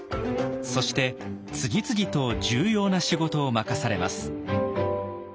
そして次々と重要な仕事を任されます。